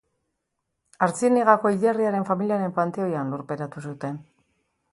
Artziniegako hilerriaren familiaren panteoian lurperatu zuten.